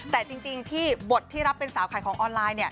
แต่จริงที่บทที่รับเป็นสาวขายของออนไลน์